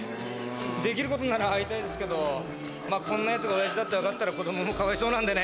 できることなら会いたいですけどこんなヤツが親父だって分かったら子供もかわいそうなんでね。